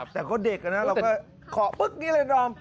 แต่ก็เด็กนะเราก็ขอปึ๊กนี้เลยดอม